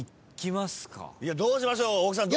いやどうしましょう大木さん。